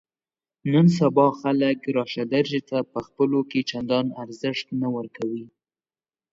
نن سبا خلک راشه درشې ته په خپلو کې چندان ارزښت نه ورکوي.